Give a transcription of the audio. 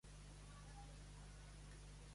Dorjsure ha competit a sis Jocs Olímpics d"Estiu.